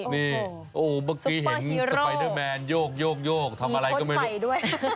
โอ้โฮสุปเปอร์ฮีโร่บางทีเห็นสไตเดอร์แมนโยกทำอะไรก็ไม่รู้